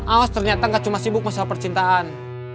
aos ternyata gak cuma sibuk masalah percintaan